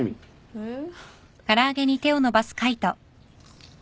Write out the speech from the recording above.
うん。